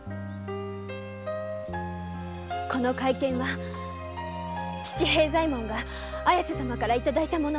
この懐剣は父平左衛門が綾瀬様から頂いたもの。